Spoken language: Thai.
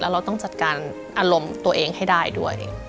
เราต้องจัดการอารมณ์ตัวเองให้ได้ด้วย